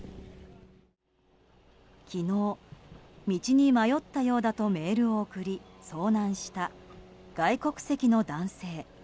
昨日、道に迷ったようだとメールを送り遭難した外国籍の男性。